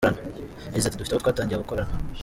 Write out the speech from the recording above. Yagize ati “Dufite abo twatangiye gukorana.